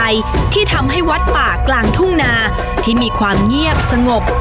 ที่ทำให้วัดป่ากลางทุ่งนาที่มีความเงียบสงบ